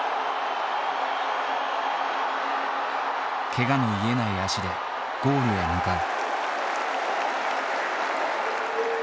けがの癒えない足でゴールへ向かう。